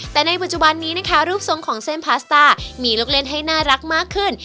แต่ในปัจจุบันนี้นะคะรูปทรงของเส้นพาสต้ามีลูกเล่นให้น่ารักมากขึ้น